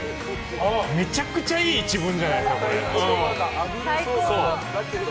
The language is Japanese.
めちゃくちゃいい一文じゃないですか。